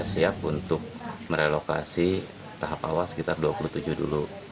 siap untuk merelokasi tahap awal sekitar dua puluh tujuh dulu